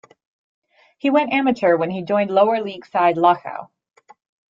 He went amateur when he joined lower league side Lochau.